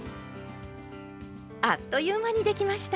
あっという間にできました。